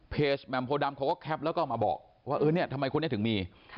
แหม่มโพดำเขาก็แคปแล้วก็มาบอกว่าเออเนี่ยทำไมคนนี้ถึงมี